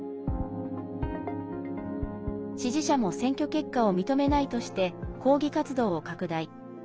支持者も、選挙結果を認めないとして抗議活動を拡大。